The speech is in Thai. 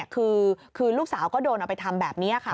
คือลูกสาวก็โดนเอาไปทำแบบนี้ค่ะ